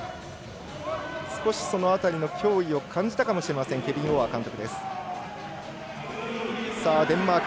その辺りの脅威を感じたかもしれませんケビン・オアー監督。